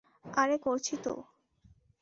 আরে করেছি তো।